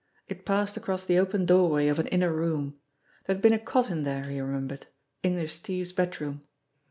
It passed across the open doorway of an inner room. There had been a cot in there, he remembered English Steve's bed room.